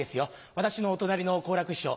私のお隣の好楽師匠